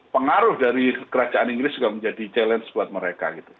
pengaruh dari kerajaan inggris juga menjadi challenge buat mereka gitu